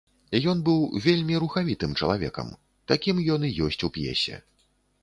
Ён быў вельмі рухавітым чалавекам, такім ён і ёсць у п'есе.